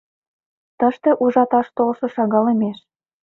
Тыште ужаташ толшо шагалемеш.